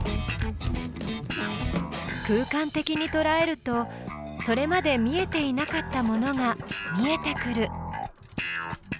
空間的にとらえるとそれまで見えていなかったものが見えてくる。